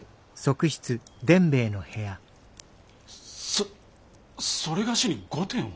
そそれがしに御殿を？